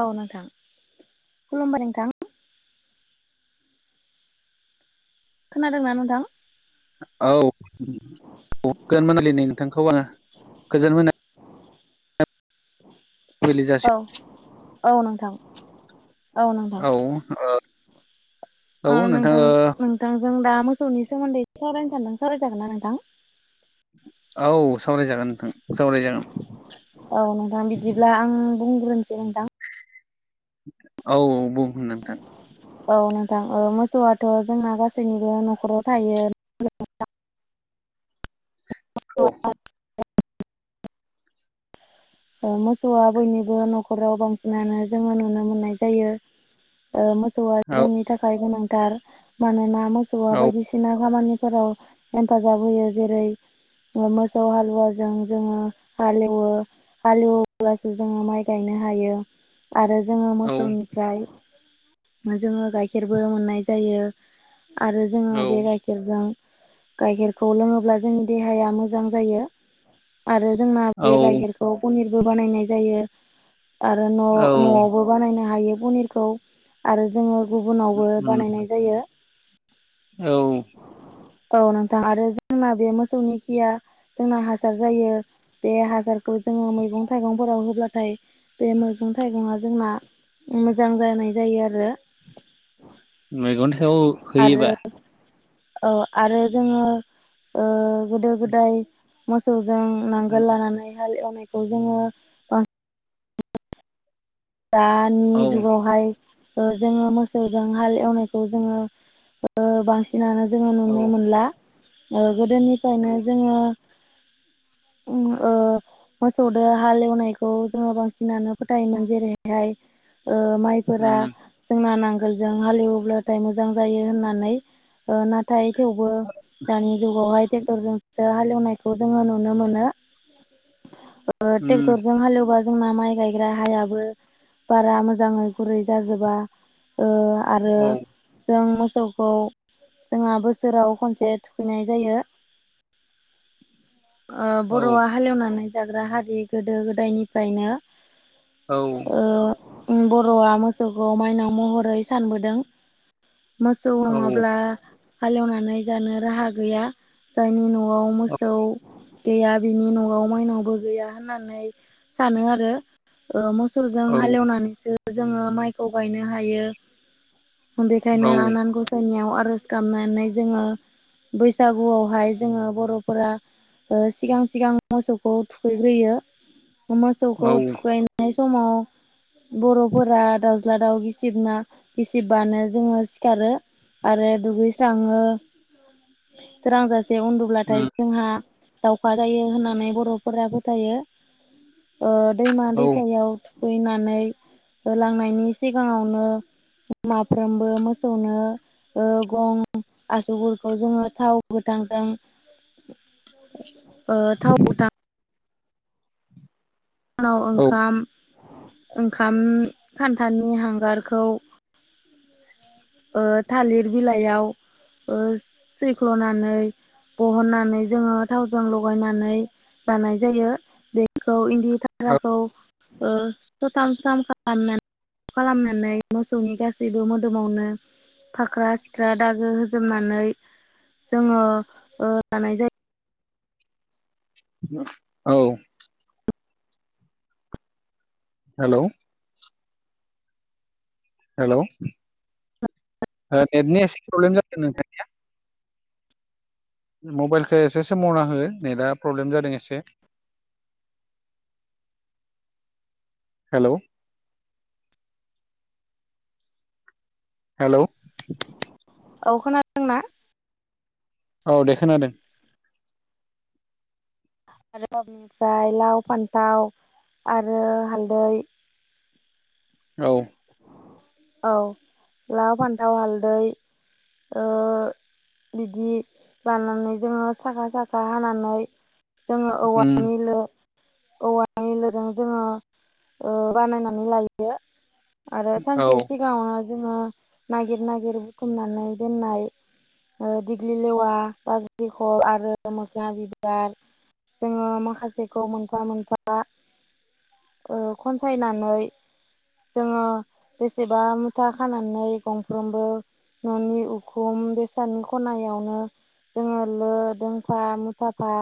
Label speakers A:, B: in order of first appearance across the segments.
A: औ नोंथां खुलुमबाय नोंथां। खोनादों ना नोंथां?
B: औ गोजोन मोनाबिलिनि नोंथांखौ आङो गोजोन मोना मोनाबिलि जासि
A: औ औ नोंथां
B: औ ओ
A: नोंथां नोंथांजों दा मोसौनि सोमोन्दै सावरायनो सानदों सावराय जागोन ना नोंथां?
B: औ सावरायजागोन नोंथां सावरायजागोन।
A: औ नोंथां बिदिब्ला आं बुंग्रोनोसै नोंथां।
B: औ औ बुं नोंथां।
A: औ नोंथां औ मोसौआथ' जोंना गासैनिबो न'खराव थायो।
B: औ
A: मोसौआ बयनिबो न'खराव बांसिनानो जोङो नुनो मोननाय जायो। मोसौआ
B: औ
A: जोंनि थाखाय गोनांथार मानोना मोसौआ
B: औ
A: बायदिसिना खामानिफोराव हेफाजाब होयो जेरै मोसौ हालुवाजों जोङो हालेवो। हालेवब्लासो जोङो माइ गायनो हायो आरो जोङो
B: औ
A: मोसौ फ्राय जोङो गाइखेरबो मोननाय जायो आरो जोङो बे गाइखेर गाइखेरजों गाइखेरखौ लोङोब्ला जोंनि देहाया मोजां जायो। आरो जोंना
B: औ
A: बे गाइखेरखौ पनिरबो बानायनाय जायो आरो न'
B: औ
A: न'आव बो बानायनो हायो पनिरखौ आरो जोङो गुबुनावबो
B: उम
A: बानायनाय जायो।
B: औ
A: औ नोंथां आरो जोंना बे मोसौनि खिया जोंना हासार जायो बे हासार खौ जोङो मैगं थाइगंफोराव होब्लाथाय बे मैगं थाइगङा जोंना मोजां जानाय जायो आरो।
B: मेगन सायाव
A: आरो
B: होयोबा
A: औ आरो जोङो ओ गोदो गोदाय मोसौजों नांगोल लानानै हाल एवनायखौ जोङो
B: औ
A: दानि जुगावहाय ओ जोङो मोसौजों हाल एवनायखौ जोङो ओ बांसिन दाना जोङो
B: औ
A: नुनो मोनला ओ
B: औ
A: गोदोनिफ्रायनो जोङो ओ मोसौदो हालेवनायखौ जोङो बांसिनानो फोथायोमोन जेरै बेैहाय ओ माइफोरा
B: उम
A: जोंना नांगोलजों हालेवोब्लाथाय मोजां जायो होननानै ओ नाथाय थेवबो दानि जुगावहाय टेक्टरजों ओ हालेवनायखौ जोङो नुनो मोनो ओ
B: उम
A: टेक्टरजों हालेवबा ओ जोंना माइ गायग्रा हायाबो बारा मोजाङै गुरै जाजोबा ओ आरो
B: औ
A: जों मोसौखौ जोंहा बोसोराव खनसे थुखैनाय जायो। ओ
B: औ
A: बर'आ हालेवनानै जाग्रा हारि गोदो गोदायनिफ्रायनो।
B: औ
A: ओ बर'आ मोसौखौ माइनाव महरै सानबोदों। मोसौ
B: औ
A: नङाब्ला हालेवनानै जानो राहा गैया जायनि न'आव न'आव मोसौ गैया बिनि न'आव माइनावबो गैया होननानै सानो आरो ओ मोसौ जों
B: औ
A: हालेवनानैसो जोङो माइखौ गायनो हायो।
B: औ
A: बेखायनो
B: उम
A: आनान गसाइनियाव आर'ज गाबनानै जोङो बैसागुआवहाय जोङो बर'फोरा ओ सिगां सिगां मोसौखौ थुखैग्रोयो मोसौखौ थुखैनाय समाव बर'फोरा दाउज्ला दाउ गिसिरना गिसिरबानो जोङो सिखारो। आरो दुगैस्राङो सोरां जासे उन्दु ब्लाथाय जोंहा दावखा जायो होननानै बर'फोरा फोथायो। ओ दैमा
B: औ
A: दैसायाव थुखैनानै होलांनायनि सिगाङावनो माफ्रोमबो मोसौनो ओ गं आसुखौ जोङो थाव गोथांजों ओ थाव गोथां सानाव
B: औ
A: ओंखाम ओंखाम खान्थानि हांगारखौ ओ थालिर बिलाइयाव ओ सैख्ल'नानै बहननानै जोङो थावजों लगायनानै लानाय जायो बेखौ बि थाग्राखौ सथाम सथाम खालामनानै खालामनानै मोसौनि गासैबो मोदोमावनो फाख्रा सिख्रा दागो होजोबनानै जोङो ओ लानाय जायो।
B: औ। हेल'। हेल' नेटनि एसे प्रब्लेम जादों नोंथां। मबाइलखो एसे सोमावना हो नेटआ प्रब्लेम जादों एसे। हेल' हेल'
A: औ खोनादों ना
B: औ दे खोनादों
A: आरो सबनिफ्राय लाव फान्थाव आरो हालदै
B: औ
A: औ लाव फान्थाव हालदै बिदि लानानै जोङो साखा साखा हानानै जोङो औवा
B: उम
A: निल़ो औवानि लोगोजों जोङो बानायनानै लायो आरो
B: औ
A: सानसे सिगाङावनो जोङो नागिर नागिर बुथुमनानै दोननाय दिग्लि लेवा ब्रिखब आरो मोखोना बिबार जोङो माखासेखौ मोनफा मोनफा खनसायनानै जोङो बेसेबा मुथा खानानै गंफ्रोमबो न'नि उखुम बेसादनि खनायावनो जोङो लो दोंफा मुथाफा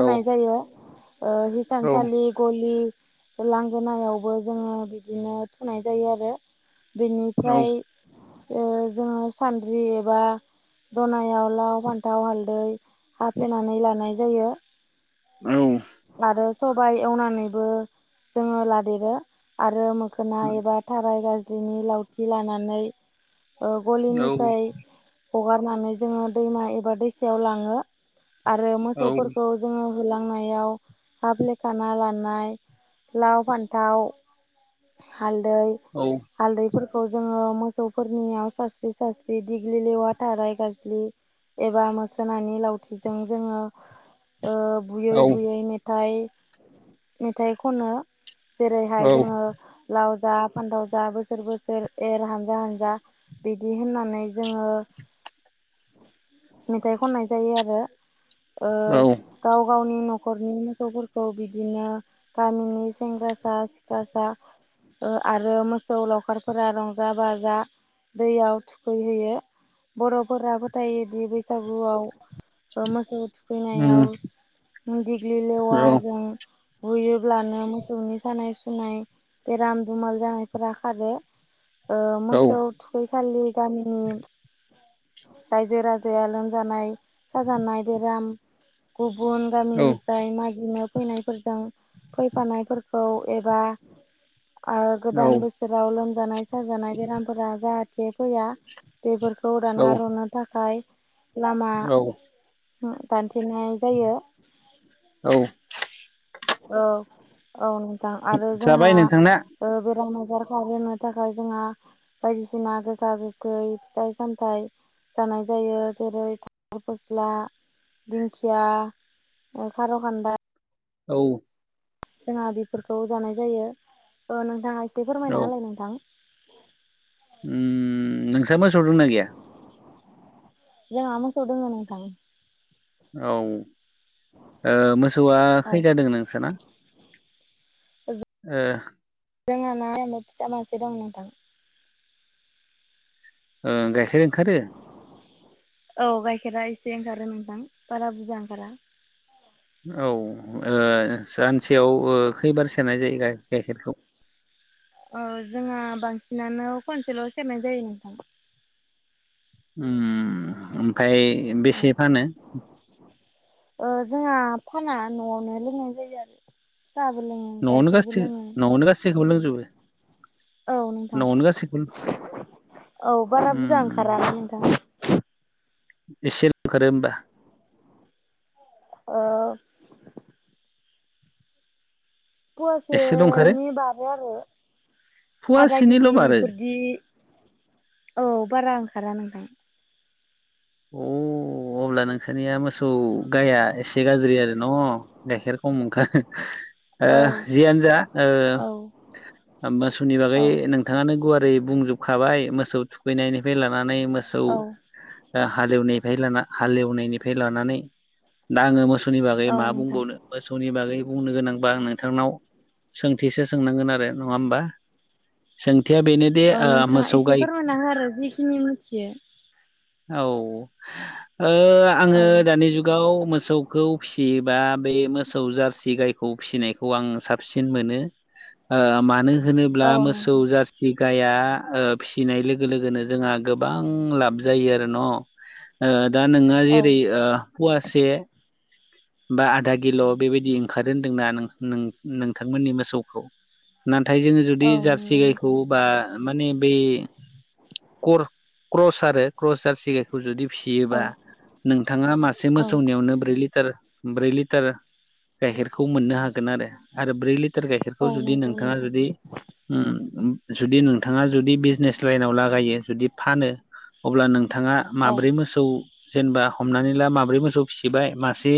B: औ
A: जायो
B: औ
A: हिसानसालि गलि लांगोनायावबो जोङो बिदिनो थुनाय जायो आरो
B: औ
A: बेनिफ्राय जोङो सानद्रि एबा दनायाव लाव फान्थाव हालदै हाफ्लेनानै लानाय जायो
B: औ
A: आरो सबाय एवनानैबो जोङो लादेरो आरो मोखोना एबा थाराय गाज्रिनि लावथि लानानै
B: औ
A: गलिनिफ्राय हगारनानै जोङो दैमा एबा दैसायाव लाङो आरो
B: औ
A: मोसौफोरखौ जोङो होलांनायाव हाफ्लेखाना लानाय लाव फान्थाव हालदै
B: औ
A: हालदैफोरखौ जोङो मोसौफोरनियाव सास्रि सास्रि दिग्लि लेवा थाराय गाज्लि एबा मोखोनानि लावथिजों जोङो बुयै बुयै मेथाइ मेथाइ खनो जेरैहाय
B: औ
A: जोङो लाव जा फानथाव जा बोसोर बोसोर एर हानजा हानजा बिदि होननानै जोङो मेथाइ खननाय जायो आरो
B: औ
A: गाव गावनि न'खरनि मोसौफोरखौ बिदिनो गामिनि सेंग्रासा सिख्लासा ओ आरो मोसौ लावखारफोरा रंजा बाजा दैयाव थुखैहैयो बर'फोरा फोथायोदि बैसागुआव मोसौ
B: उम
A: थुखैनायाव दिग्लि
B: औ
A: लेवाजों बुयोब्लानो मोसौनि सानाय सुनाय बेराम दुमाल जानायफोरा खारो ओ
B: औ
A: मोसौ थुखैखालि गामिनि रायजो राजाया लोमजानाय साजानाय बेराम गुबुन गामिनि जाय मागिनो फैनायफोरजों फैफानायफोरखौ एबा आरो गोदान बोसोराव लोमजानाय साजानाय बेरामफोरा जाहाथे फैया बेफोरखौ दानगार हरनो थाखाय लामा
B: औ
A: दानथेनाय जायो
B: औ
A: औ औ नोंथां आरो जोंहा
B: जाबाय नोंथांना
A: ओ बेराम आजार खारहोनो थाखाय जोंहा बायदिसिना गोखा गोखै फिथाइ सामथाइ जानाय जायो जेरै थालिर फस्ला दिंखिया ए खार' खानदाय
B: औ
A: जोंहा बेफोरखौ जानाय जायो ओ नोंथाङा एसे फोरमायना होलाय नोंथां
B: उम नोंस्रा मोसौ दंना गैया
A: जोंहा मोसौ दङ' नोंथां
B: औ मोसौआ खैता
A: औ
B: दं नोंसाना? ओ
A: जोंहा ना आरैनो फिसा मासे दं नोंथां
B: ओं गाइखेर ओंखारो
A: औ गाइखेरा एसे ओंखारो नोंथां बारा बुरजा ओंखारा
B: औ ओ सानसेयाव ओ खैबार सेरनाय जायो गाइखेरखौ?
A: औ जोंहा बांसिनानो खनसेल' सेरनाय जायो नोंथां
B: ओमफ्राय
A: औ
B: बेसे फानो?
A: ओ जोंहा फाना न'आवनो लोंनाय जायो आरो साहाबो लोङो गाइखेरबो लोङो।
B: इसेखौ लोंजोबो
A: औ नोंथां
B: न'आवनो गासैखौबो
A: औ बारा बुरजा
B: उम
A: ओंखारा ना नोंथां।
B: एसे ओंखारो होमबा
A: ओ
B: एसेल' ओंखारो
A: फवासेनि बारो आरो आधा
B: फुवासेनिल'
A: केजि
B: बारो
A: फोरदि औ बारा ओंखारा नोंथां
B: अ अब्ला नोंसानिया मोसौ गाइाया एसे गाज्रि आरो न' गाइखेर खम ओंखारो ओ
A: औ
B: जियानो जा
A: औ
B: ओ मोसौनि नि
A: औ
B: बागै नों नोंथाङानो गुवारै बुंजोबखाबाय मोसौ थुखैनायनिफ्राय लानानै मोसौ हालेवनायनिफ्राय लाना हालेवनायनिफ्राय लानानै दा आङो मोसौनि बागै
A: औ
B: मा
A: नोंथां
B: बुंबावनो मोसौनि बागै बुंनो गोनांबा आं नोंथांनाव सोंथिसो सोंनांगोन आरो नङा होमबा। सोंथिया बेनो
A: ओ नोंथाङा एसे फोरमायना हो आरो जिखिनि मिथियो।
B: औ ओ आङो
A: औ
B: दानि जुग गाव मोसौखौ फिसियोबा बे मोसौ जारसि गायखौ फिसिनायखौ आं साब सिन मोनो ओ मानो। होनोब्ला
A: औ
B: मोसौ
A: नोंथां
B: जारसि गाया फिसिनाय लोगो लोगोनो जोंहा गोबां लाब जायो आरो न ओ दा नोङो
A: औ
B: जेरै फवासे बा आधा किल' बेबायदि ओंखार होनदोंना नो नोंथां नोंथांमोननि मोसौखौ नाथाय जोङो
A: औ
B: जुदि जार्सि
A: नंगौ
B: गायखौ
A: नोंथां
B: बा माने बै कर क्रस आरो क्रस जासिगाय खौ जुदि फिसियोबा
A: औ
B: नोंथाङा मासे
A: औ
B: मोसौनियावनो ब्रै लिटार ब्रै लिटार गाइखेरखौ मोननो हागोन आरो आरो ब्रै लिटार
A: औ
B: गाइखेरखौ जुदि
A: नंगौ
B: नोंथाङा
A: नोंथां
B: जुदि ओम जुदि नोंथाङा जुदि बिजनेस लाइनाव लागायो जुदि फानो अब्ला नोंथाङा
A: औ
B: माब्रै मोसौ जेनेबा हमनानै ला माब्रै मोसौ फिसिबाय मासे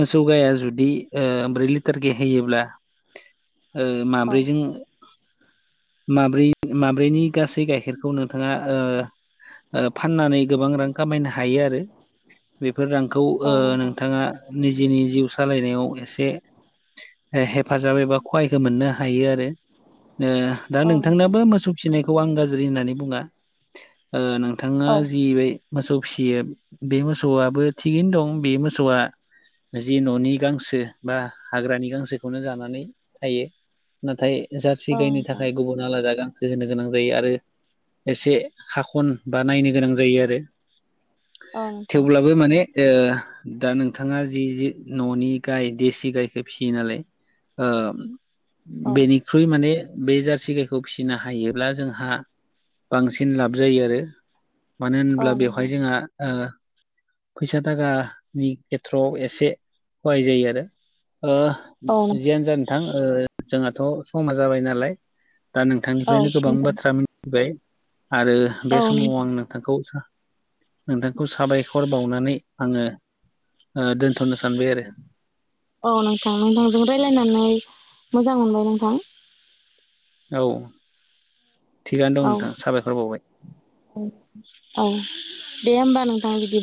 B: मोसौ गाया जुदि ब्रै लिटार के होयोब्ला ओ
A: औ
B: माब्रैजों माब्रै माब्रैनि गासै गाइखेरखौ नोंथाङा फाननानै गोबां रां खामायनो हायो आरो बेफोर रांखौ
A: औ नोंथां
B: नोंथाङा निजेनि जिउ सालायनायाव एसे हेफाजाब एबा खहायखौ मोननो हायो आरो दा
A: औ नोंथां
B: नोंथांनाबो मोसौ फिसिनायखौ आं गाज्रि होननानै बुङा नोंथाङा
A: औ
B: जि मोसौ फिसियो बे मोसौआबो थिगैनो दं बे मोसौआ जि न'नि गांसो बा हाग्रानि गांसोखौनो जानानै थायो नाथाय जारसि गायनो
A: नोंथां
B: थाखाय गुबुन आलादा गांसो होनो गोनां जायो आरो एसे हाखन बा नायनो गोनां जायो आरो
A: औ नोंथां
B: थेवब्लाबो माने ए दा नोंथाङा जि न'नि गाय देसि गायखो फिसियो नालाय
A: औ
B: बेनिख्रुइ माने बे जारसि गायखौ फिसिनो हायोब्ला जोंहा बांसिन लाब जायो आरो मानो
A: औ नोंथां औ
B: होनोब्ला
A: नोंथां
B: बेवहाय जोंहा ओ फैसा थाखानि खेथ्रआव एसे हहाय जायो आरो जियानो जानोोंथां जोंहाथ' समा जाबाय नालाय दा नोंथांनिफ्रायनो गोबां बाथ्रा मिथिबाय आरो बे
A: औ
B: समाव आं नोंथखौ नोंथांखौ साबायख खर बावनानै आङो दोनथ'नो सानबाय आरो
A: औ नोंथां नोंथांजों रायज्लायनानै मोजां मोनबाय नोंथां
B: औ थिगानो दं
A: औ
B: नोंथां साबायखर बाउबाय
A: औ दे होमबा नोंथां बिदि